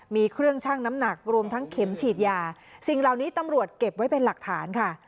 มีเครื่องชั่งน้ำหนักรวมทั้งเข็มฉีดยาสิ่งเหล่านี้ตำรวจเก็บไว้เป็นหลักฐานค่ะ